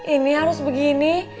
ini harus begini